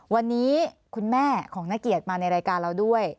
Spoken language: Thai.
วันนี้คุณแม่ของนักเกียรติมาในรายการเราด้วย